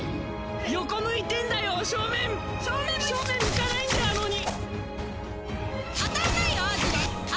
横向いてんだよ、正面向かないんだ、あの鬼。